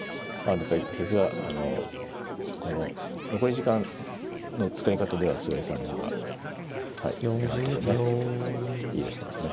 やっぱりさすがこの残り時間の使い方では菅井さんの方が今のとこねリードしてますね。